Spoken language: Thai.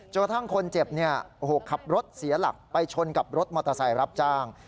ทั้งคนเจ็บขับรถเสียหลักไปชนกับรถมอเตอร์ไซค์รับจ้าง